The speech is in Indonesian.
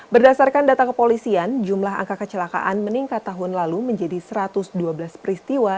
berdasarkan data kepolisian jumlah angka kecelakaan meningkat tahun lalu menjadi satu ratus dua belas peristiwa